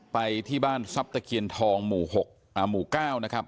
ไปที่บ้านทรัพย์ตะเกียรทองหมู่หกอ่าหมู่เก้านะครับ